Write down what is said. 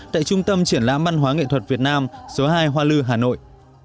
tại trung tâm triển lãm văn hóa nghệ thuật việt nam số hai hoa lư hà nội